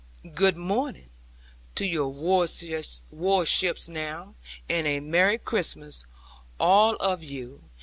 '"Good morning to your warships now, and a merry Christmas all of you!